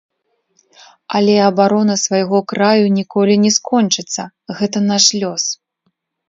Але абарона свайго краю ніколі не скончыцца, гэта наш лёс.